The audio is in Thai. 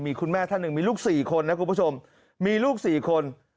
มีคุณแม่ท่านหนึ่งมีลูก๔คนนะคุณผู้ชมมีลูก๔คน